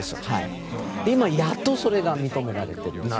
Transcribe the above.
今、やっとそれが認められているんです。